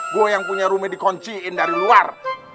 gua yang punya rumah dikunciin dari luar